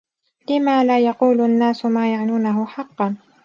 لم لا يقول النّاس ما يعنونه حقّا؟